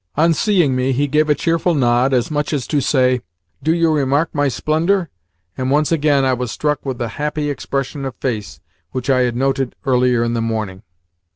On seeing me, he gave a cheerful nod, as much as to say, "Do you remark my splendour?" and once again I was struck with the happy expression of face which I had noted earlier in the morning.